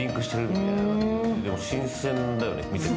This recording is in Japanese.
でも新鮮だよね、見てて。